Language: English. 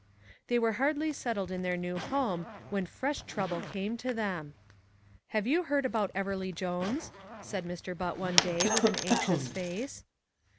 They were hardly settled in their new home when fresh trouble came to them. "Have you heard about Everleigh Jones?" said Mr. Butt one day with an anxious face.